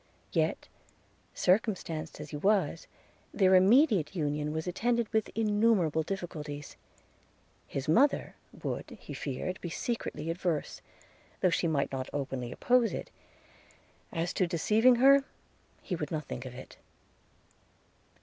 Yet, circumstanced as he was, their immediate union was attended with innumerable difficulties: his mother would, he feared, be secretly averse, though she might not openly oppose it; and as to deceiving her, he would not think of it.